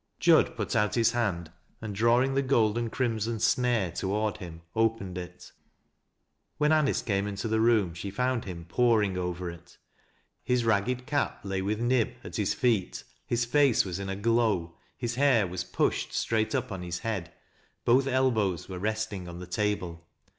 Jud put out his hand, and drawing the gold and crimson snare toward him, opened it. When Anice came into the room she found him poring over it. His ragged cap lay with Nib, at his feet, his face was in a glow, his hair was pushed straight up on his head, both elbows were resting on the table.